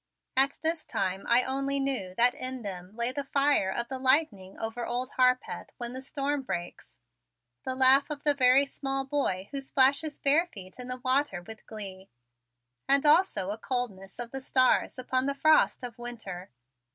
At this time I only knew that in them lay the fire of the lightning over Old Harpeth when the storm breaks, the laugh of the very small boy who splashes bare feet in the water with glee, and also a coldness of the stars upon the frost of winter.